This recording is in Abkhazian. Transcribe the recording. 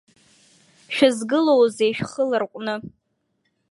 Шәызгылоузеи шәхы ларҟәны?